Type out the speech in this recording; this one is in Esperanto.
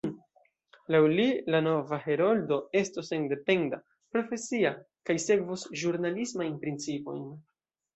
Laŭ li la nova Heroldo estos sendependa, profesia, kaj sekvos ĵurnalismajn principojn.